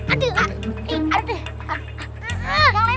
aduh aduh deh